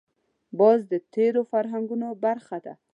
باز د تېرو فرهنګونو برخه ده